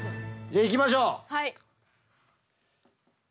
いきましょう。